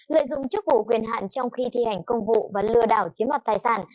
lợi dụng chức vụ quyền hạn trong khi thi hành công vụ và lừa đảo chiếm mặt tài sản